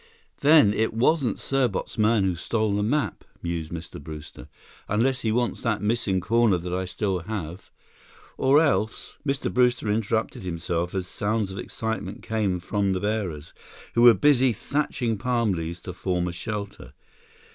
"Then it wasn't Serbot's man who stole the map," mused Mr. Brewster, "unless he wants that missing corner that I still have. Or else—" Mr. Brewster interrupted himself, as sounds of excitement came from the bearers, who were busy thatching palm leaves to form a shelter.